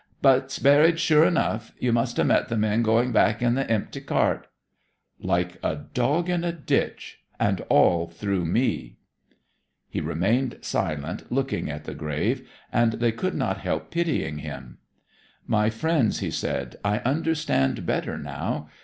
But's buried, sure enough. You must have met the men going back in the empty cart.' 'Like a dog in a ditch, and all through me!' He remained silent, looking at the grave, and they could not help pitying him. 'My friends,' he said, 'I understand better now.